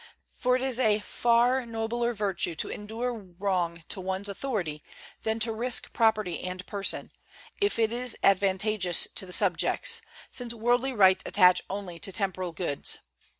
For it is a far nobler virtue to endure wrong to one's authority than to risk property and person, if it is advantageous to the subjects; since worldly rights attach only to temporal goods.